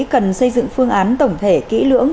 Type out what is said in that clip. cần xây dựng phương án tổng thể kỹ lưỡng